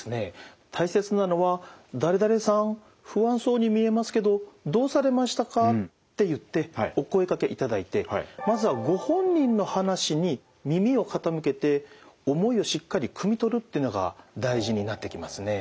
大切なのは「誰々さん不安そうに見えますけどどうされましたか？」って言ってお声がけいただいてまずはご本人の話に耳を傾けて思いをしっかりくみ取るっていうのが大事になってきますね。